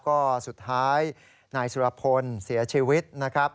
ก็สุดท้ายนายสุรพลเสียชีวิตนะครับ